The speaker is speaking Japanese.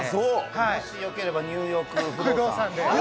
もし、よければ「ニューヨーク不動産」で。